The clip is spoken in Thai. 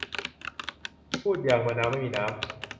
พูดอย่างมะนาวไม่มีน้ำ